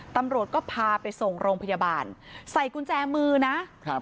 ตำรวจก็พาไปส่งโรงพยาบาลใส่กุญแจมือนะครับ